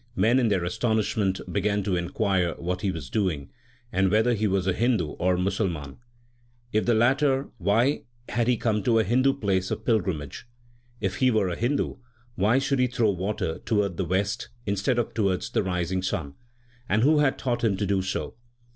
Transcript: Men in their astonishment began to inquire what he was doing, and whether he was a Hindu or Muhammadan. If the latter, why had he come to a Hindu place of pilgrimage ? If he were a Hindu, why should he throw water towards the west instead of towards the rising sun ? And who had taught him to do so